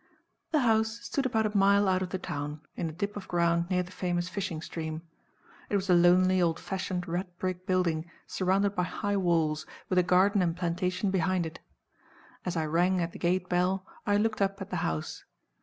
The house stood about a mile out of the town, in a dip of ground near the famous fishing stream. It was a lonely, old fashioned red brick building, surrounded by high walls, with a garden and plantation behind it. As I rang at the gate bell, I looked up at the house.